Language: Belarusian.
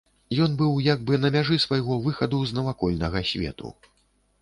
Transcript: Ён быў як бы на мяжы свайго выхаду з навакольнага свету.